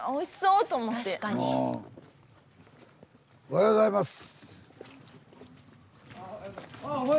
おはようございます。